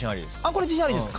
これ自信ありです